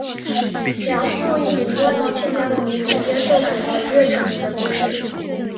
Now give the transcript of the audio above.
描述一名外貌欠佳的女子接受改造一跃成名的故事。